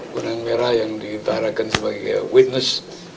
benang merah yang diutarakan sebagai witness